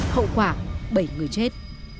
hậu quả bảy người chết